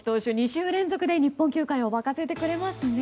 ２週連続で日本球界を沸かせてくれますね。